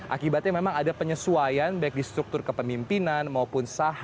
akibatnya memang ada penyesuaian baik di struktur kepemimpinan maupun saham